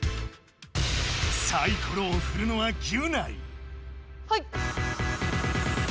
サイコロをふるのはギュナイ。はいっ。